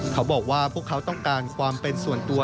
เขาบอกว่าพวกเขาต้องการความเป็นส่วนตัว